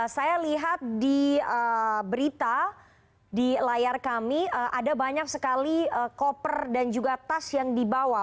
saya lihat di berita di layar kami ada banyak sekali koper dan juga tas yang dibawa